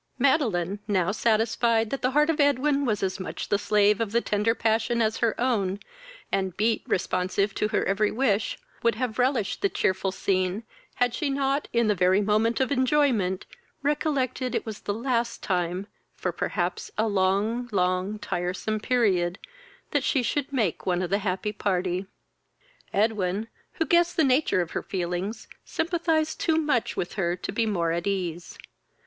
Madeline, now satisfied that the heart of Edwin was as much the slave of the tender passion as her own, and beat responsive to her every wish, would have relished the cheerful scene, had she not, in the very moment of enjoyment, recollected it was the last time, for perhaps a long long tiresome period, that she should make one of the happy party. Edwin, who guessed the nature of her feelings, sympathized too much with her to be more at ease.